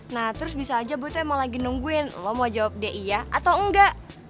nah terus bisa aja boy tuh emang lagi nungguin lo mau jawab dia iya atau enggak